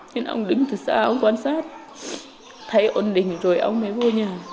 nên ông đứng từ xa ông quan sát thấy ổn định rồi ông ấy vô nhà